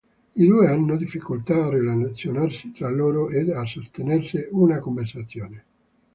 I due hanno difficoltà a relazionarsi tra loro ed a sostenere una conversazione.